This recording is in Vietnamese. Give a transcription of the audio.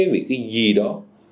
vì cái gì đó